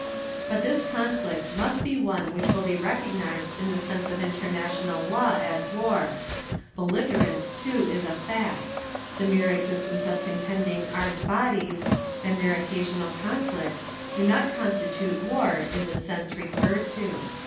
But this conflict must be one which will be recognized in the sense of international law as war. Belligerence, too, is a fact. The mere existence of contending armed bodies and their occasional conflicts do not constitute war in the sense referred to.